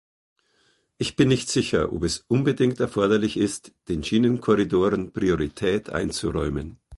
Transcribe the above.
Ich bin nicht sicher, ob es unbedingt erforderlich ist, den Schienenkorridoren Priorität einzuräumen.